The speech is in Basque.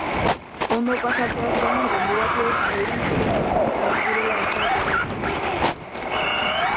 Ondo pasatzeaz gain, gonbidatuek euren zereginetan onak direla esatea izango dute helburu.